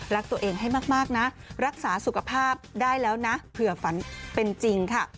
รักตัวเองให้มากนะรักษาสุขภาพได้แล้วนะเผื่อฝันเป็นจริงค่ะ